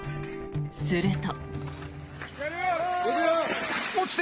すると。